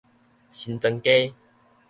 新莊街